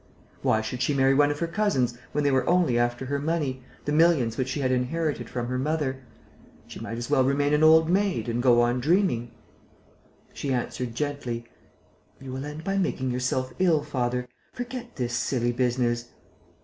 Why should she marry one of her cousins when they were only after her money, the millions which she had inherited from her mother? She might as well remain an old maid and go on dreaming.... She answered, gently: "You will end by making yourself ill, father. Forget this silly business."